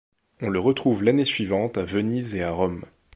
On le retrouve l’année suivante à Venise et à Rome.